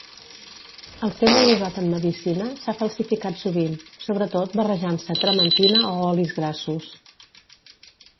Al ser molt usat en medicina, s'ha falsificat sovint, sobretot barrejant-se trementina o olis grassos.